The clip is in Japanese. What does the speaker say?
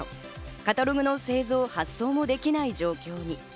カタログの製造や発送もできない状況に。